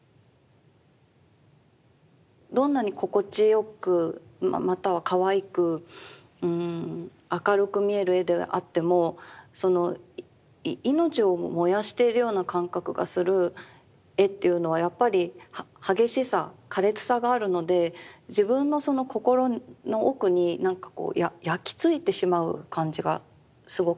どんなに心地よくまたはかわいく明るく見える絵であっても命を燃やしているような感覚がする絵っていうのはやっぱり激しさ苛烈さがあるので自分のそのがすごくするんです。